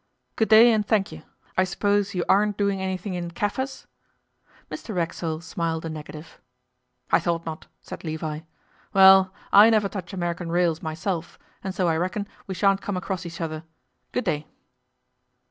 'Good day, and thank ye. I suppose you aren't doing anything in Kaffirs?' Mr Racksole smiled a negative. 'I thought not,' said Levi. 'Well, I never touch American rails myself, and so I reckon we sha'n't come across each other. Good day.